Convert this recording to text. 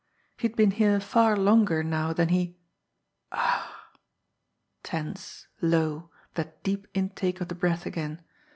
He had been here far longer now than he 'Ah' tense, low, that deep intake of the breath again.